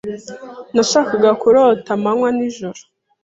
Nashakaga kurota amanywa n'ijoro